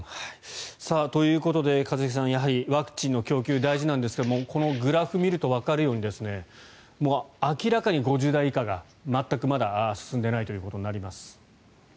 ということで一茂さんやはりワクチンの供給大事なんですがこのグラフを見るとわかるように明らかに５０代以下が全くまだ進んでいないということになります。